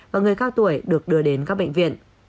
và người cao tuổi được đưa đến các bệnh viện